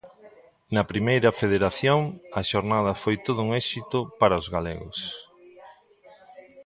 Na Primeira Federación, a xornada foi todo un éxito para os galegos.